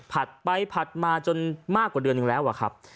ไปผัดมาจนมากกว่าเดือนหนึ่งแล้วอะครับ